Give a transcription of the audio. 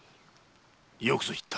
よくぞ言った。